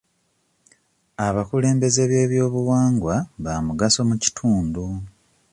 Abakulembeze b'ebyobuwangwa bamugaso mu kitundu.